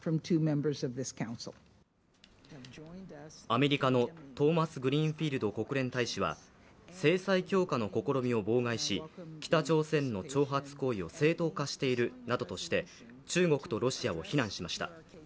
アメリカのトーマスグリーンフィールド国連大使は制裁強化の試みを妨害し北朝鮮の挑発行動を正当化しているなどとして、中国とロシアを非難しました。